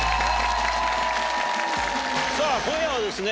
さぁ今夜はですね